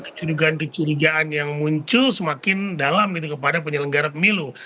kecurigaan kecurigaan yang muncul semakin dalam gitu kepada penyelenggara pemilu